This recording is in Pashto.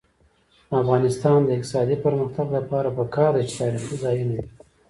د افغانستان د اقتصادي پرمختګ لپاره پکار ده چې تاریخي ځایونه وي.